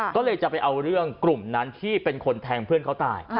ก็เลยจะไปเอาเรื่องกลุ่มนั้นที่เป็นคนแทงเพื่อนเขาตาย